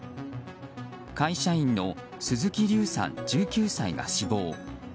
会社員の鈴木龍さん、１９歳が死亡。